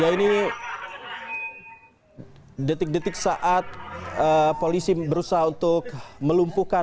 ya ini detik detik saat polisi berusaha untuk melumpuhkan